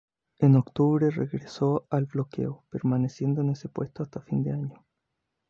En octubre regresó al bloqueo, permaneciendo en ese puesto hasta fin de año.